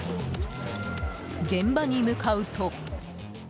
現場に向かうと。